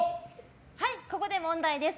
はい、ここで問題です。